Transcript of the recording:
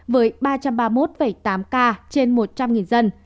với ba trăm ba mươi một tám ca trên một trăm linh dân